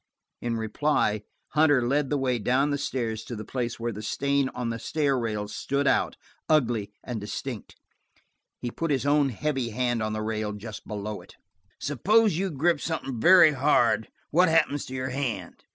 In reply Hunter led the way down the stairs to the place where the stain on the stair rail stood out, ugly and distinct. He put his own heavy hand on the rail just below it. "Suppose," he said, "suppose you grip something very hard, what happens to your hand?"